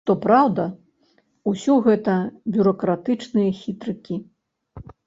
Што праўда, усё гэта бюракратычныя хітрыкі.